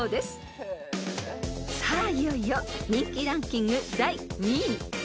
［さあいよいよ人気ランキング第２位］